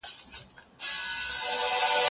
د څېړنیزې مقالي برخې باید په ترتیب سره وي.